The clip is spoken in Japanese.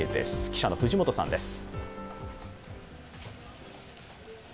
記者の藤本さんです。